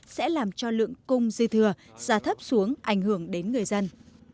sẽ làm cho lượng cung dư thừa giá thấp xuống ảnh hưởng đến người dân